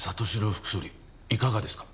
副総理いかがですか？